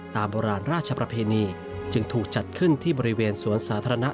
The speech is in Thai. โบราณราชประเพณีจึงถูกจัดขึ้นที่บริเวณสวนสาธารณะ